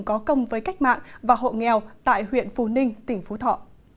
có công với cách mạng và hộ nghèo tại huyện phù ninh tỉnh phú thọ